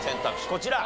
こちら。